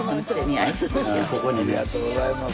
ありがとうございます。